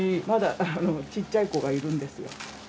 まだちっちゃい子がいるんです。